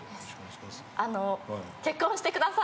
結婚してください！